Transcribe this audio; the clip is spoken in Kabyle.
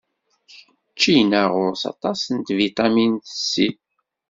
Ččina ɣur-s aṭas n tbiṭamint C.